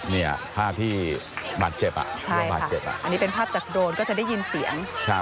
เนี่ยภาพที่บาดเจ็บอ่ะบาดเจ็บอ่ะอันนี้เป็นภาพจากโดรนก็จะได้ยินเสียง